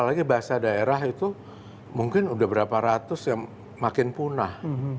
apalagi bahasa daerah itu mungkin udah berapa ratus yang makin punah